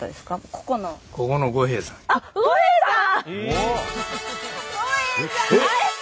あっ五兵衛さん！